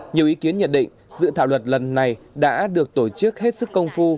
nhiều ý kiến nhận định dự thảo luật lần này đã được tổ chức hết sức công phu